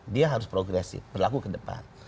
dia harus progresif berlaku ke depan